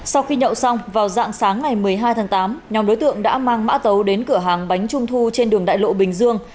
sau khi nhậu xong vào dạng sáng ngày một mươi hai tháng tám nhóm đối tượng đã mang mã tấu đến cửa hàng bánh trung thu trên đường đại lộ bình dương